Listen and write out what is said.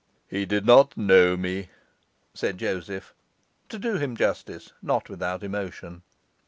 'He did not know me,' said Joseph; to do him justice, not without emotion.